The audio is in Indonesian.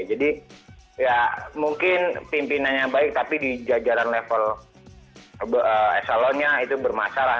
jadi ya mungkin pimpinannya baik tapi di jajaran level eselonya itu bermasalah